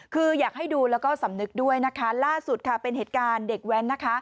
คืออยากให้ดูแล้วก็สำนึกด้วยนะคะล่าสุดค่ะเป็นเหตุการณ์เด็กแว้นนะคะ